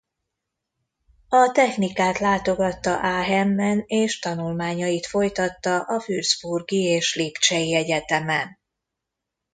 A technikát látogatta Aachenben és tanulmányait folytatta a würzburgi és lipcsei egyetemen.